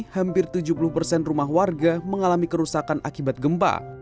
hampir tujuh puluh persen rumah warga mengalami kerusakan akibat gempa